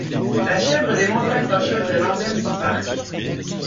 La chèvre des montagnes Rocheuses est l'emblème du parc.